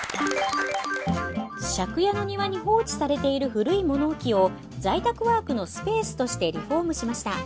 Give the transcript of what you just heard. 借家の庭に放置されている古い物置を在宅ワークのスペースとしてリフォームしました。